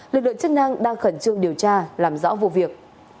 lực lượng chức năng đang khẩn trương điều tra làm rõ vụ việc